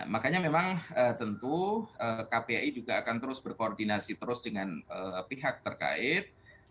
makanya memang tentu kpai juga akan terus berkoordinasi terus dengan pihak terkait